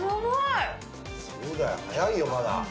そうだよ、早いよ、まだ。